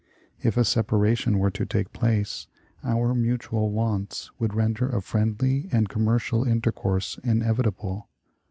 If a separation were to take place, our mutual wants would render a friendly and commercial intercourse inevitable.